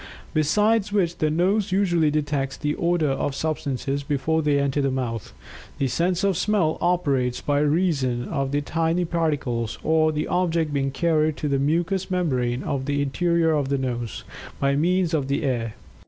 Besides which the nose usually detects the odor of substances before they enter the mouth. The sense of Smell operates by reason of the tiny particles or the object being carried to the mucous membrane of the interior of the nose, by means of the air.